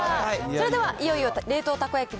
それでは、いよいよ冷凍たこ焼き